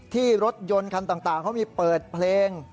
ที่รถยนต์คันต่างเขามีเปิดเพลง